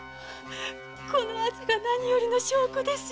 このアザが何よりの証拠です。